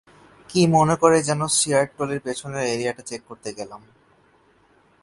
কী মনে করে যেন সিয়ারটলীর পেছনের এরিয়াটা চেক করতে গেলাম।